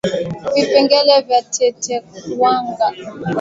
Vipele vya tetekuwanga